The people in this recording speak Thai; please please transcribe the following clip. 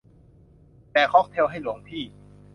แจกค็อกเทลให้หลวงพี่